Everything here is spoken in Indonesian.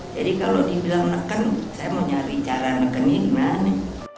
jadi kalau dibilang neken saya mau nyari cara nekennya gimana